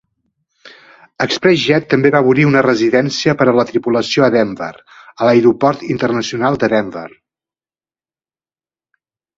ExpressJet també va obrir una residència per a la tripulació a Denver, a l'aeroport internacional de Denver.